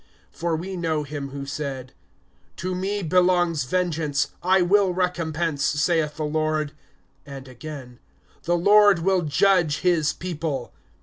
(30)For we know him who said: To me belongs vengeance; I will recompense, saith the Lord; and again: The Lord will judge his people.